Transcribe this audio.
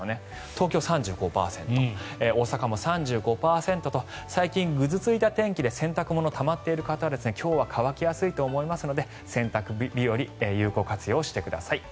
東京は３５％大阪も３５％と最近ぐずついた天気で洗濯物、たまっている方は今日は乾きやすいと思いますので洗濯日和有効活用してください。